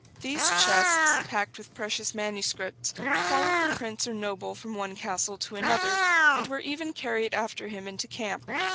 These chests, packed with precious manuscripts, followed the prince or noble from one castle to another, and were even carried after him into camp.